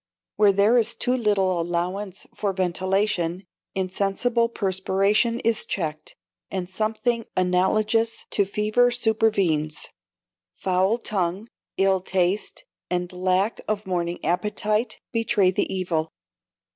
Where there is too little allowance for ventilation, insensible perspiration is checked, and something analogous to fever supervenes; foul tongue, ill taste, and lack of morning appetite betray the evil.